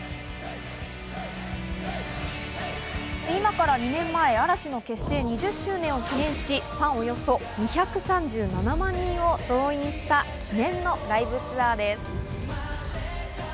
今から２年前、嵐の結成２０周年を記念し、ファンおよそ２３７万人を動員した記念のライブツアーです。